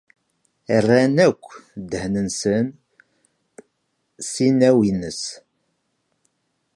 Rran akk ddehn-nsen s inaw-nnes.